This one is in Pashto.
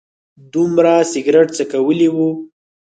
دومره سګرټ څکولي و.